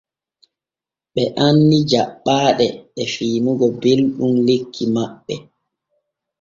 Ɓe anni jaɓɓaaɗe e fiinugo belɗum lekki maɓɓe.